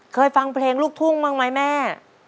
เคยฟังเพลงลูกทุ่งบ้างไหมแม่